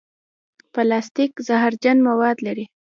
پلاستيک زهرجن مواد لري.